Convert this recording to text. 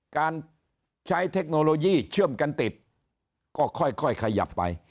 การใช้เทคโนโลยีเชื่อมกันติดก็ค่อยขยับไป